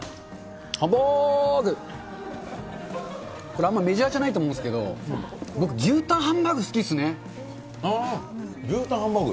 これ、あんまメジャーじゃないと思うんですけど、僕、牛タンハンバーグ牛タンハンバーグ？